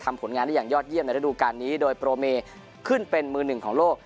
ผลงานได้อย่างยอดเยี่ยมในระดูการนี้โดยโปรเมขึ้นเป็นมือหนึ่งของโลก